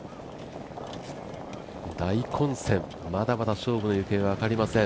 大混戦、まだまだ勝負の行方分かりません。